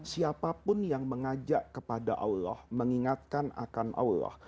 siapapun yang mengajak kepada allah mengingatkan akan allah